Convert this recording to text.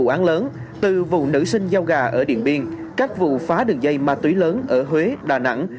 vụ án lớn từ vụ nữ sinh giao gà ở điện biên các vụ phá đường dây ma túy lớn ở huế đà nẵng